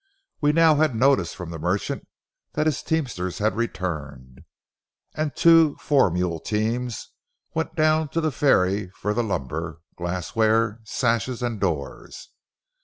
We now had notice from the merchant that his teamsters had returned, and two four mule teams went down to the ferry for the lumber, glassware, sash and doors.